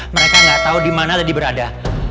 mereka gak tau dimana tadi berada